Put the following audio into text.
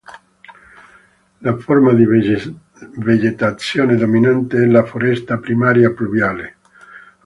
La forma di vegetazione dominante è la foresta primaria pluviale.